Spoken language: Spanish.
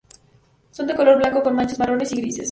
Son de color blanco con manchas marrones y grises.